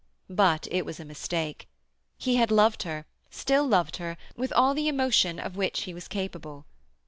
But it was a mistake. He had loved her, still loved her, with all the emotion of which he was capable.